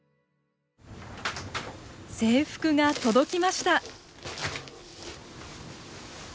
制服が届きました。